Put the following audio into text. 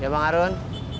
ya bang arun